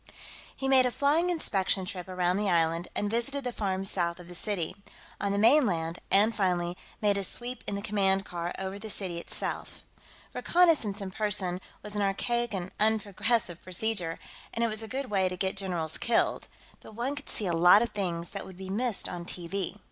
He made a flying inspection trip around the island, and visited the farms south of the city, on the mainland, and, finally, made a sweep in the command car over the city itself. Reconnaissance in person was an archaic and unprogressive procedure, and it was a good way to get generals killed, but one could see a lot of things that would be missed on TV.